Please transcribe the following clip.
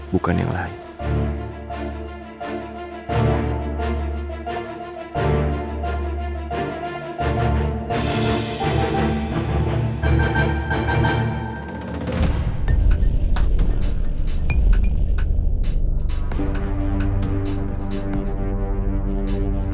bukan yang lain